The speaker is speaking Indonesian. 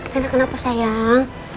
rena kenapa sayang